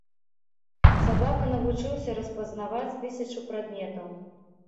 Сабака навучыўся распазнаваць тысячу прадметаў.